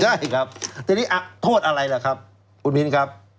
ได้ครับตัวนี้โทษอะไรหรือครับคุณมินครับ